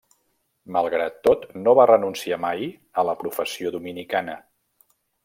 Malgrat tot, no va renunciar mai a la professió dominicana.